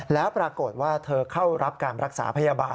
แล้วปรากฏว่าเธอเข้ารับการรักษาพยาบาล